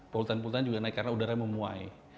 polutan polutan juga naik karena udara memuai